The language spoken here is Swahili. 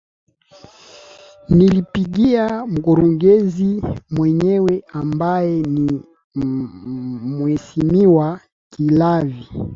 nilimpigia mkurugenzi mwenyewe ambaye ni mhesimiwa kilavi